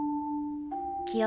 記憶。